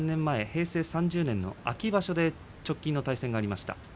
３年前、秋場所で直近の対戦がありました。